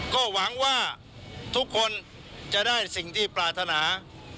ก็หวังว่าทุกคนจะได้สิ่งที่ปรารถนา